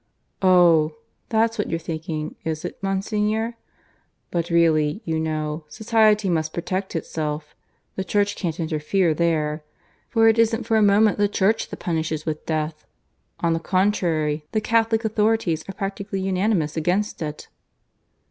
"Oh! that's what you're thinking, is it, Monsignor? But really, you know, Society must protect itself. The Church can't interfere there. For it isn't for a moment the Church that punishes with death. On the contrary, the Catholic authorities are practically unanimous against it."